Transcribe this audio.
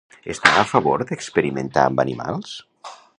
Està a favor d'experimentar amb animals?